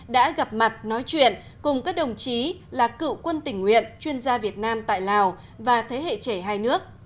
đã gặp mặt nói chuyện cùng các đồng chí là cựu quân tình nguyện chuyên gia việt nam tại lào và thế hệ trẻ hai nước